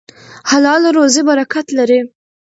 حلاله روزي برکت لري.